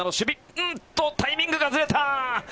おっと、タイミングがずれた。